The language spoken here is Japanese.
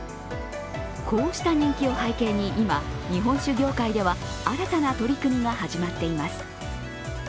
こうした人気を背景に今、日本酒業界では新たな取り組みが始まっています。